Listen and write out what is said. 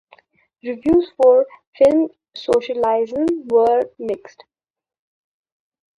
Reviews for "Film Socialisme" were mixed.